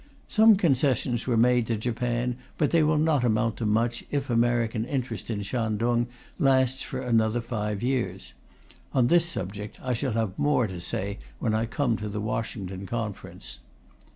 Some concessions were made to Japan, but they will not amount to much if American interest in Shantung lasts for another five years. On this subject, I shall have more to say when I come to the Washington Conference.